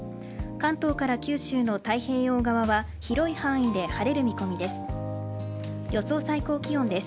関東から九州の太平洋側は広い範囲で晴れる見込みです。